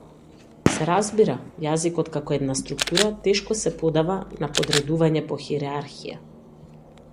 Се разбира, јазикот како една структура тешко се подава на подредување по хиерархија.